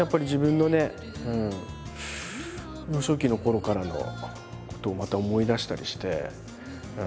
幼少期のころからのことをまた思い出したりして。